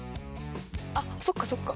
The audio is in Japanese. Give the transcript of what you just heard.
あっそうかそうか。